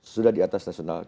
sudah di atas nasional